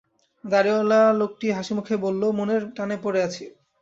দাড়িওয়ালা লোকটি হাসিমুখে বলল, মনের টানে পইড়া আছি।